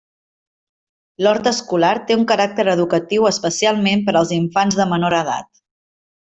L'hort escolar té un caràcter educatiu especialment per als infants de menor edat.